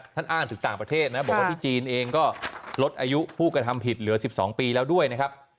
อ้างถึงต่างประเทศนะบอกว่าที่จีนเองก็ลดอายุผู้กระทำผิดเหลือ๑๒ปีแล้วด้วยนะครับ